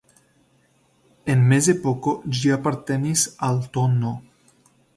En mezepoko ĝi apartenis al tn.